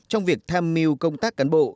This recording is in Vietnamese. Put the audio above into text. trong việc tham mưu công tác cán bộ